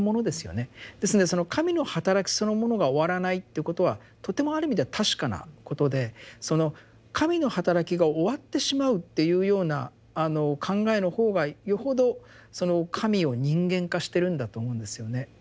ですんでその「神の働きそのものが終わらない」っていうことはとてもある意味では確かなことでその「神の働き」が終わってしまうっていうような考えの方がよほどその神を人間化してるんだと思うんですよね。